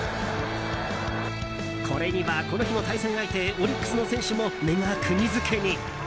これには、この日の対戦相手オリックスの選手も目が釘付けに。